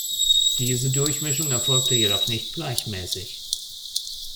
Diese Durchmischung erfolgte jedoch nicht gleichmäßig.